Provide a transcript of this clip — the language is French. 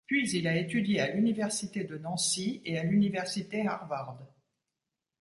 Puis il a étudié à l'université de Nancy et l'université Harvard.